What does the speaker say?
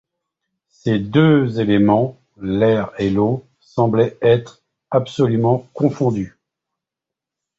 Ces deux éléments, l’air et l’eau, semblaient être absolument confondus.